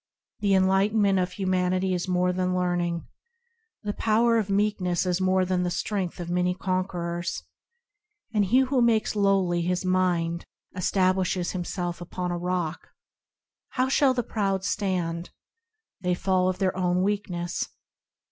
The enlightenment of Humility is more than learning ; The power of Meekness is more than the strength of many conquerors, And he who makes lowly his mind establishes himself upon a rock. How shall the proud stand ? They fall of their own weakness.